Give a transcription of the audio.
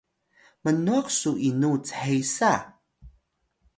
mnwah su inu chesa?